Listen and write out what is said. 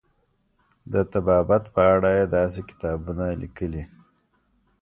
د طبابت په اړه یې داسې کتابونه لیکلي.